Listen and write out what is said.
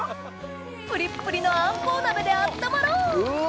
プリップリのあんこう鍋で温まろう！